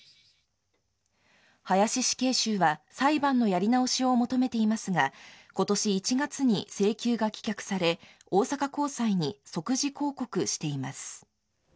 林死刑囚は、裁判のやり直しを求めていますが、ことし１月に請求が棄却され、大阪高裁に即時抗告しています。